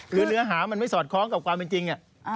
คือเนื้อหามันไม่สอดคล้องกับความเป็นจริง